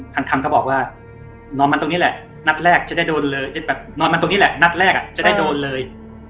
พาลคำก็บอกว่านอนมันตรงนี้แหละนัดแรกจะได้โดนเลย